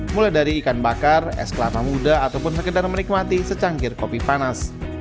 mulai dari ikan bakar es kelapa muda ataupun sekedar menikmati secangkir kopi panas